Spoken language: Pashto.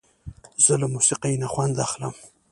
زه له موسیقۍ نه خوند اخلم.